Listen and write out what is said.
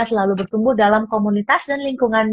selalu bertumbuh dalam komunitas dan lingkungan